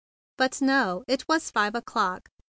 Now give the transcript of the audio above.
But now it was five o'clock.